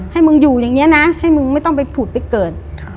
ให้มึงอยู่อย่างนี้นะให้มึงไม่ต้องไปผุดไปเกิด